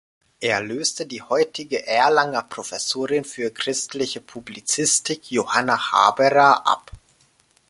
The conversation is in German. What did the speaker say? Er löste die heutige Erlanger Professorin für Christliche Publizistik, Johanna Haberer, ab.